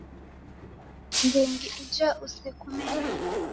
M'ndu ungi uja usekumenye.